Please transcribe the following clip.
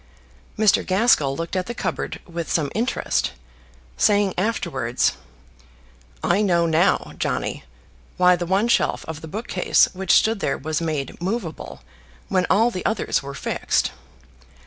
Mr. Gaskell looked at the cupboard with some interest, saying afterwards, "I know now, Johnnie, why the one shelf of the bookcase which stood there was made movable when all the others were fixed.